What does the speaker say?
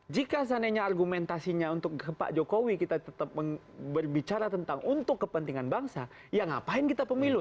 jika seandainya argumentasinya untuk pak jokowi kita tetap berbicara tentang untuk kepentingan bangsa ya ngapain kita pemilu